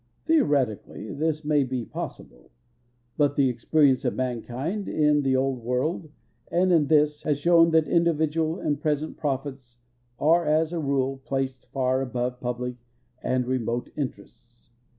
Theoret ically this ma}^ be possible, but the experience of mankind in the old world and in this has shown that individual and present profits are as a rule placed far above public and remote interests.